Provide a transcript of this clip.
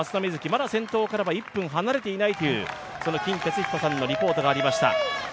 まだ先頭からは１分離れていないという金哲彦さんのリポートがありました。